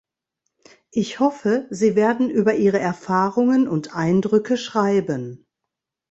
Ich hoffe, Sie werden über Ihre Erfahrungen und Eindrücke schreiben.